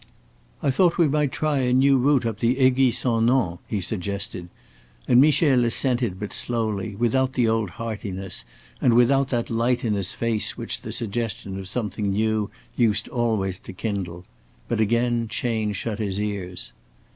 "I thought we might try a new route up the Aiguille sans Nom," he suggested, and Michel assented but slowly, without the old heartiness and without that light in his face which the suggestion of something new used always to kindle. But again Chayne shut his ears.